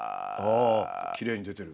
きれいに出てる。